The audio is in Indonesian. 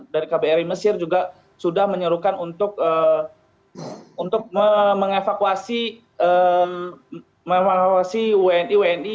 dari kbri mesir juga sudah menyerukan untuk mengevakuasi wni wni